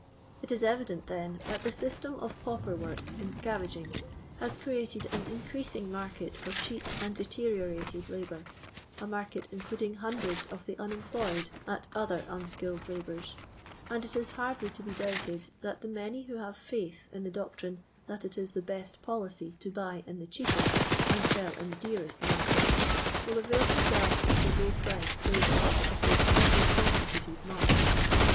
It is erident, then, that the system of pauper work in scaraging has created an increasing market for cheap and deteriorated labour, a market including hundreds of the unemployed at other imskilled labours; and it is hardly to be doubted that the many who have faith in the doctrine that it is the best policy to buy in the cheapest and sell in the dearest market, will avail theiBselTes of the low priced labour df this pauper coBstituted mart.